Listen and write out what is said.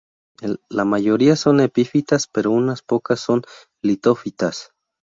La mayoría son epifitas, pero unas pocas son litófitas.